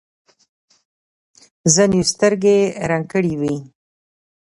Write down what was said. ځینو سترګې رنګ کړې وي.